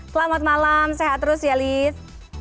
selamat malam sehat terus ya lis